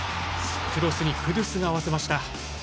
クロスにクドゥスが合わせました。